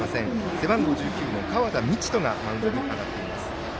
背番号１９の川田道士がマウンドに上がっています。